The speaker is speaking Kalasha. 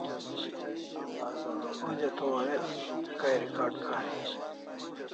Onja to warek kai recarding kari